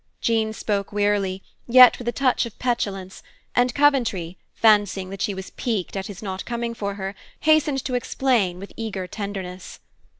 Jean spoke wearily, yet with a touch of petulance, and Coventry, fancying that she was piqued at his not coming for her, hastened to explain with eager tenderness.